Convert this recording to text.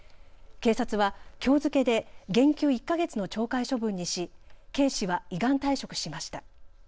警察はきょう付けで減給１か月の懲戒処分にし、警視は依願退職しました。